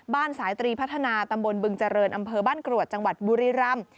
สายตรีพัฒนาตำบลบึงเจริญอำเภอบ้านกรวดจังหวัดบุรีรำ